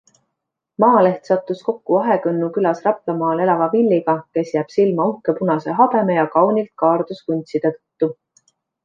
Maaleht sattus kokku Ahekõnnu külas Raplamaal elava Villyga, kes jääb silma uhke punase habeme ja kaunilt kaardus vuntside tõttu.